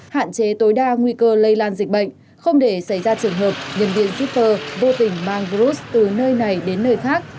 hạn chế tối đa nguy cơ lây lan dịch bệnh không để xảy ra trường hợp nhân viên twitter vô tình mang virus từ nơi này đến nơi khác